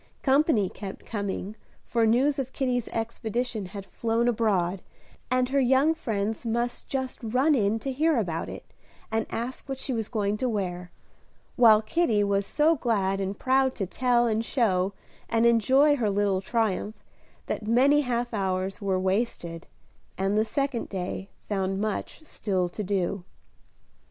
Company kept coming, for news of Kitty's expedition had flown abroad, and her young friends must just run in to hear about it, and ask what she was going to wear; while Kitty was so glad and proud to tell, and show, and enjoy her little triumph that many half hours were wasted, and the second day found much still to do.